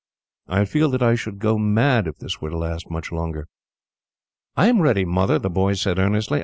I feel that I should go mad, if this were to last much longer." "I am ready, Mother," the boy said, earnestly.